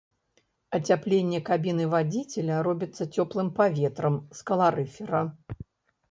Ацяпленне кабіны вадзіцеля робіцца цёплым паветрам з каларыфера.